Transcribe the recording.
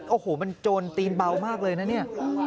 โอ้โหมันโจรตีนเบามากเลยนะเนี่ย